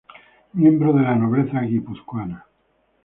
Miembro de la nobleza guipuzcoana.